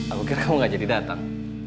aku kira kamu gak jadi datang